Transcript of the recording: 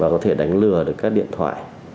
và có thể đánh lừa được các điện thoại